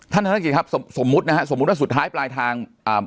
ธนกิจครับสมมุตินะฮะสมมุติว่าสุดท้ายปลายทางอ่า